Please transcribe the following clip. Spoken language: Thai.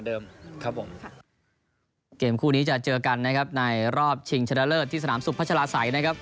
เกมคู่นี้จะเจอกันนะครับในรอบชิงชะเลอดที่สนามสุภาชราสัยนะครับ